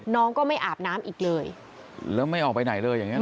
น้องก็ไม่อาบน้ำอีกเลยแล้วไม่ออกไปไหนเลยอย่างเงี้